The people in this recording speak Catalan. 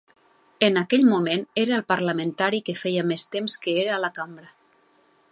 En aquell moment era el parlamentari que feia més temps que era a la Cambra.